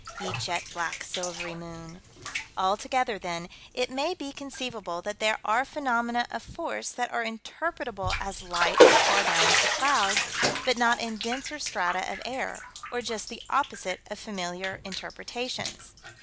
Ye jet black silvery moon. Altogether, then, it may be conceivable that there are phenomena of force that are interpretable as light as far down as the clouds, but not in denser strata of air, or just the opposite of familiar interpretations.